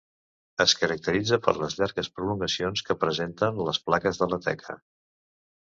Es caracteritza per les llargues prolongacions que presenten les plaques de la teca.